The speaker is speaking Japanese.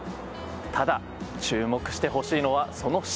ただ、注目してほしいのはその下。